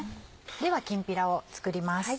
ではきんぴらを作ります。